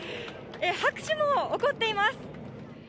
拍手も起こっています。